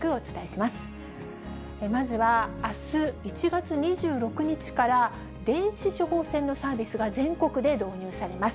まずはあす１月２６日から電子処方箋のサービスが全国で導入されます。